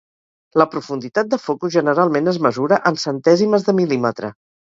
La profunditat de focus generalment es mesura en centèsimes de mil·límetre.